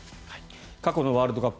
過去のワールドカップ